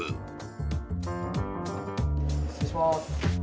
失礼します。